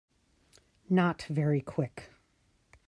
Not very Quick.